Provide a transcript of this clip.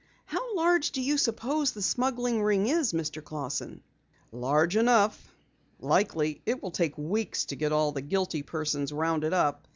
How large do you suppose the smuggling ring is, Mr. Clausson?" "Large enough. Likely it will take weeks to get all of the guilty persons rounded up.